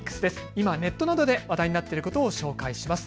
今、ネットなどで話題になっていることを紹介します。